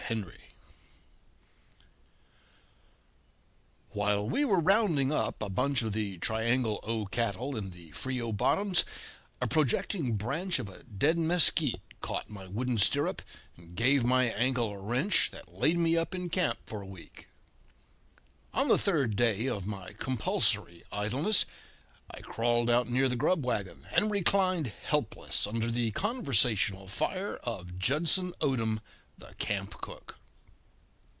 Henry While we were rounding up a bunch of the Triangle O cattle in the Frio bottoms a projecting branch of a dead mesquite caught my wooden stirrup and gave my ankle a wrench that laid me up in camp for a week. On the third day of my compulsory idleness I crawled out near the grub wagon, and reclined helpless under the conversational fire of Judson Odom, the camp cook.